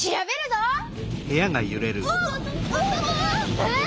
えっ？